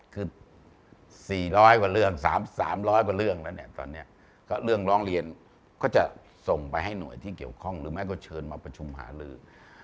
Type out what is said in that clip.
คือ๔๐๐กว่าเรื่อง๓๐๐กว่าเรื่องแล้วเนี่ยตอนนี้ก็เรื่องร้องเรียนก็จะส่งไปให้หน่วยที่เกี่ยวข้องหรือไม่ก็เชิญมาประชุมหาลือ